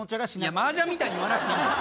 マージャンみたいに言わなくていいんだよ！